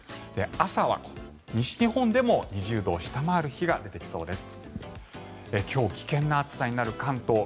朝は西日本でも２０度を下回る日が出てきそうです。